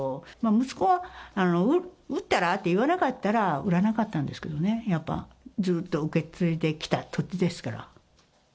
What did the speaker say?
息子が売ったら？って言わなかったら売らなかったんですけどね、やっぱ、ずっと受け継いできた土地ですから。